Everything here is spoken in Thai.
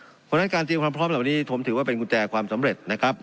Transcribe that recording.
เพราะฉะนั้นการเตรียมความพร้อมเหล่านี้ผมถือว่าเป็นกุญแจความสำเร็จนะครับ